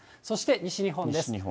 そして西日本です。